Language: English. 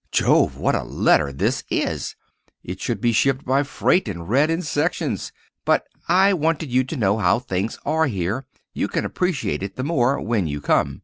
Jove, what a letter this is! It should be shipped by freight and read in sections. But I wanted you to know how things are here. You can appreciate it the more—when you come.